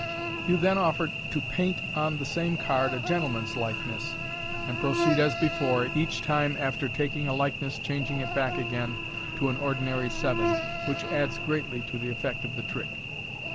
You then offer to paint on the same card a gentleman's likeness, and proceed as before, each time after taking a likeness changing it back again to an ordinary seven, which adds greatly to the effect of the trick.